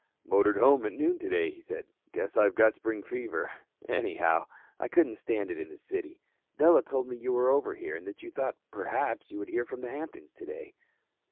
"Motored home at noon today," he said. "Guess I've got spring fever. Anyhow, I couldn't stand it in the city. Della told me you were over here and that you thought, perhaps, you would hear from the Hamptons today."